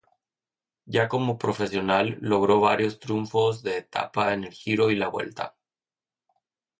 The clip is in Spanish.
Ya como profesional, logró varios triunfos de etapa en el Giro y la Vuelta.